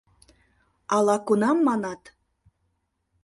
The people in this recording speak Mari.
— Ала-кунам манат?